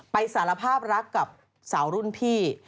สารภาพรักกับสาวรุ่นพี่